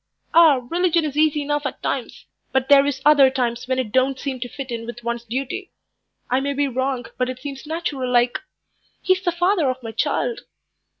"Ah, religion is easy enough at times, but there is other times when it don't seem to fit in with one's duty. I may be wrong, but it seems natural like he's the father of my child."